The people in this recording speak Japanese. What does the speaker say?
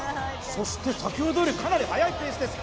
そして先ほどよりかなり速いペースです